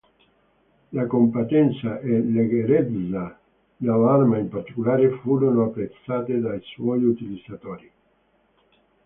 La compattezza e leggerezza dell'arma in particolare furono apprezzate dai suoi utilizzatori.